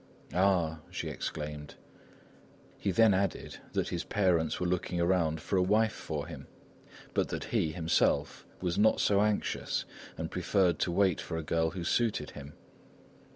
"Ah!" she exclaimed. He then added that his parents were looking around for a wife for him, but that he, himself, was not so anxious and preferred to wait for a girl who suited him.